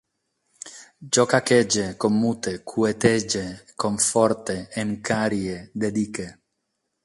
Jo caquege, commute, cuetege, conforte, em carie, dedique